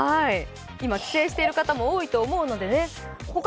今、帰省している方も多いと思うのでね。